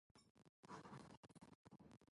The ratios were later changed.